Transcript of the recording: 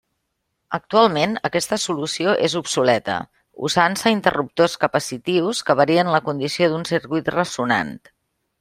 Actualment aquesta solució és obsoleta, usant-se interruptors capacitius que varien la condició d'un circuit ressonant.